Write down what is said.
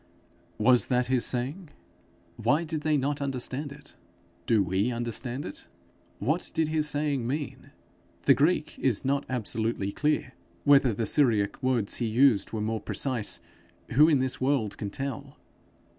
Was that his saying? Why did they not understand it? Do we understand it? What did his saying mean? The Greek is not absolutely clear. Whether the Syriac words he used were more precise, who in this world can tell?